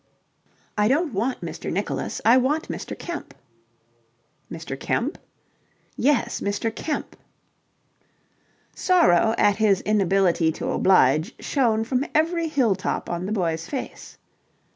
"I don't want Mr. Nicholas. I want Mr. Kemp." "Mr. Kemp?" "Yes, Mr. Kemp." Sorrow at his inability to oblige shone from every hill top on the boy's face.